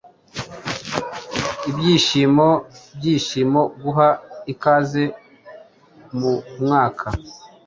Byishimo, byishimo, guha ikaze mumwaka.